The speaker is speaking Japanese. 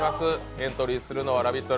エントリーするのはラヴィット！